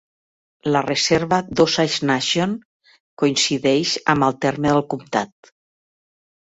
La reserva d'Osage Nation coincideix amb el terme del comtat.